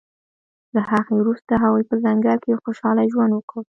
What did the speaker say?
له هغې وروسته هغوی په ځنګل کې خوشحاله ژوند وکړ